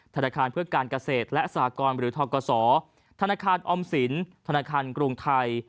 ธนาคารเพื่อการเกษตรและสากรหรือทกศธนาคารออมสินธนาคารกรุงไทย